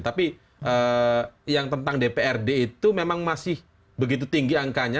tapi yang tentang dprd itu memang masih begitu tinggi angkanya